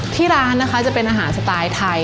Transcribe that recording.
ที่ร้านนะคะจะเป็นอาหารสไตล์ไทย